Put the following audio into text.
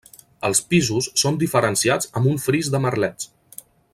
Els pisos són diferenciats amb un fris de merlets.